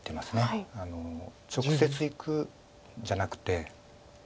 直接いくんじゃなくて。